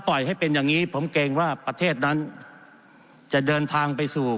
ปล่อยให้เป็นอย่างนี้ผมเกรงว่าประเทศนั้นจะเดินทางไปสู่